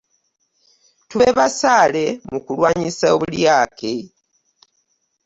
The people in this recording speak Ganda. Tube basaale mu kulwanyisa obulyake.